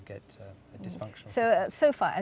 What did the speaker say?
jika tidak akan terjadi kegagalan